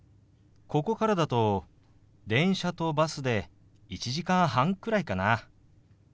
ここからだと電車とバスで１時間半くらいかな。